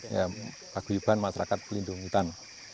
ya paguyuban masyarakat pelindung hutan